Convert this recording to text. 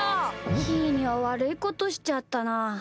ひーにはわるいことしちゃったな。